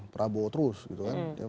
prabowo terus gitu kan